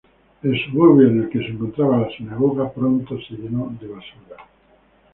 El suburbio en el que se encontraba la sinagoga pronto se llenó de basura.